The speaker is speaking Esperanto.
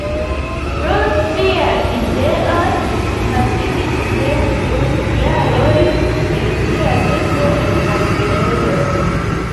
Pro siaj ideoj li pasigis dekdu jarojn el sia vivo en malliberejoj.